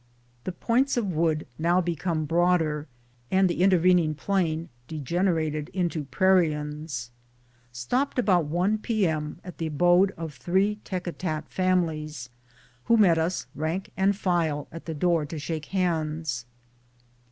The points of wood now became broader, and the intervening plain degenerated into prairions. Stopped about i P.M. at the abode of 3 Tekatat families, who met us rank and file at the door to shake hands.